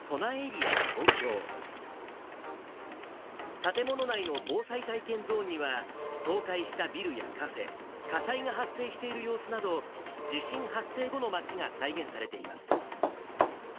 建物内の防災体験ゾーンには倒壊したビルやカフェ、火災が発生している様子など、地震発生後の街が再現されています。